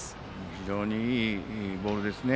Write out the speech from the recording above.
非常にいいボールでしたね。